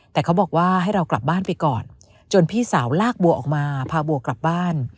แต่เขาบอกว่าให้เรากลับบ้านไปก่อนจนพี่สาวลากบัวออกมาพาบัวกลับบ้าน